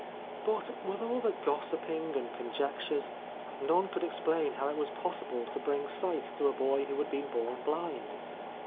But, with all the gossiping and conjectures, none could explain how it was possible to bring sight to a boy who had been born blind.